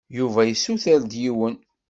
Yuba yessuter-d yiwen.